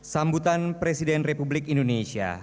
sambutan presiden republik indonesia